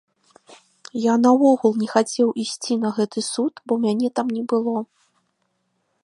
Я наогул не хацеў ісці на гэты суд, бо мяне там не было.